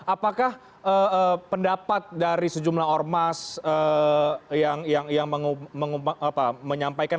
apakah pendapat dari sejumlah ormas yang menyampaikan